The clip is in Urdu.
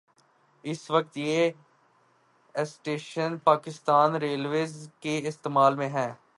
اس وقت یہ اسٹیشن پاکستان ریلویز کے استعمال میں ہے